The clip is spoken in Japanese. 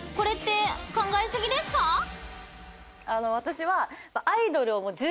私は。